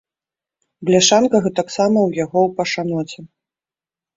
Бляшанка гэтаксама ў яго ў пашаноце.